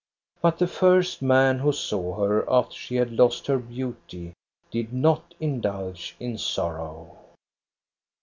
But the first man who saw her after she had lost her beauty did not indulge in sorrow.